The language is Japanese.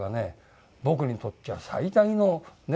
僕にとっちゃ最大のね